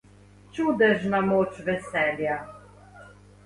Čudežna je moč veselja.